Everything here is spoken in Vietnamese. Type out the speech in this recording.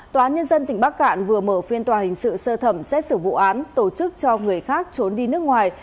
tòa nhân dân tỉnh bắc cạn vừa mở phiên tòa hình sự sơ thẩm xét xử vụ án tổ chức cho người khác trốn đi nước ngoài